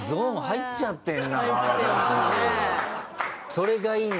それがいいんだ。